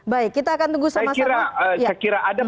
baik kita akan tunggu sama sama